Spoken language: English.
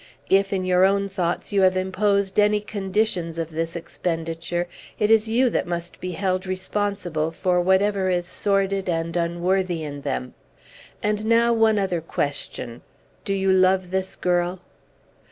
If, in your own thoughts, you have imposed any conditions of this expenditure, it is you that must be held responsible for whatever is sordid and unworthy in them. And now one other question. Do you love this girl?"